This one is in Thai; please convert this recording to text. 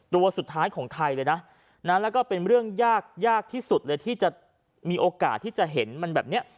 ตัวสุดท้ายของไทยเลยนะแล้วก็เป็นเรื่องยากยากที่สุดเลยที่จะมีโอกาสที่จะเห็นมันแบบเนี้ย